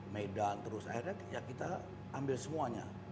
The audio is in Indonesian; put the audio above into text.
medan terus akhirnya ya kita ambil semuanya